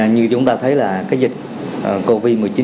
như chúng ta thấy là cái dịch covid một mươi chín